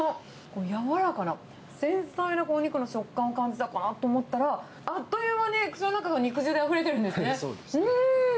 柔らかな、繊細なお肉の食感を感じたかと思ったら、あっという間に口の中が肉汁であふれてるんですよね。